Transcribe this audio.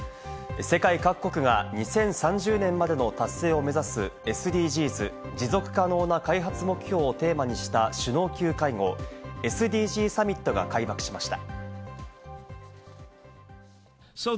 世界各国が２０３０年までの達成を目指すＳＤＧｓ＝持続可能な開発目標をテーマにした首脳級会合ＳＤＧサミットが開幕しました。